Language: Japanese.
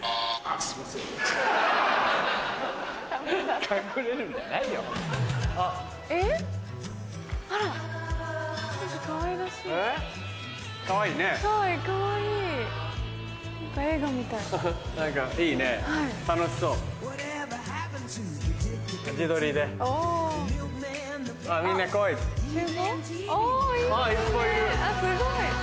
あっすごい。